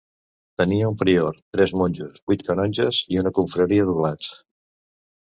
Tenia un prior, tres monjos, vuit canonges i una confraria d'oblats.